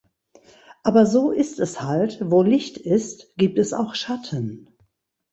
Aber so ist es halt, wo Licht ist, gibt es auch Schatten.